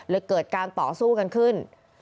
เกิดการต่อสู้กันขึ้น